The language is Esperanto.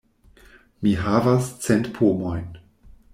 Mi havas cent pomojn.